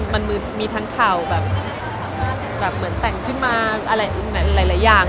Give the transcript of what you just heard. มันมีทั้งข่าวแบบเหมือนแต่งขึ้นมาหลายอย่าง